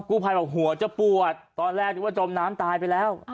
กู้ภัยบอกหัวจะปวดตอนแรกนึกว่าจมน้ำตายไปแล้ว